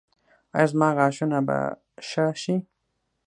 ایا زما غاښونه به ښه شي؟